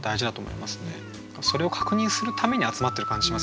それを確認するために集まってる感じしますよね。